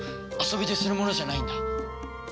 遊びでするものじゃないんだ。